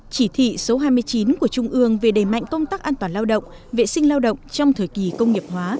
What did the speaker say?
chỉ thị số hai mươi chín của trung ương về đẩy mạnh công tác an toàn lao động vệ sinh lao động trong thời kỳ công nghiệp hóa